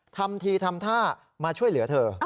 ทำทีทำท่ามาช่วยเหลือเธอ